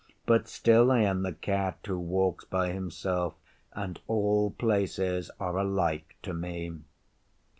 But still I am the Cat who walks by himself, and all places are alike to me.